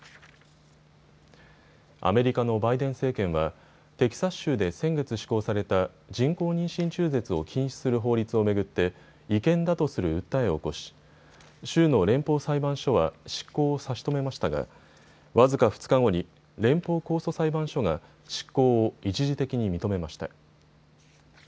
アメリカのバイデン政権はテキサス州で先月施行された人工妊娠中絶を禁止する法律を巡って違憲だとする訴えを起こし州の連邦裁判所は執行を差し止めましたが僅か２日後に連邦控訴裁判所が執行を一時的に認めました。